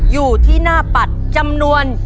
อยู่ที่หน้าปัดจำนวน